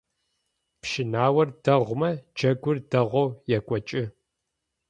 Пщынаор дэгъумэ джэгур дэгъоу екӏокӏы.